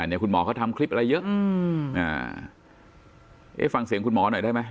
อ่ะเนี่ยคุณหมอก็ทำคลิปอะไรเยอะฟังเสียงคุณหมอหน่อยได้ไหม